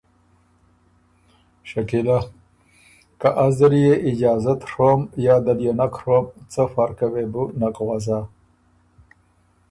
شکیلۀ: ”که از دل يې اجازت ڒوم یا دل يې نک ڒوم څۀ فرقه وې بو نک غؤزا